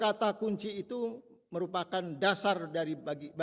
ketiga kata kunci itu merupakan dasar bagi bangsa indonesia